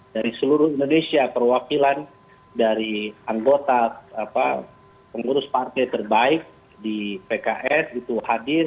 dari seluruh indonesia perwakilan dari anggota pengurus partai terbaik di pks itu hadir